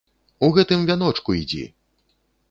У гэтым вяночку ідзі!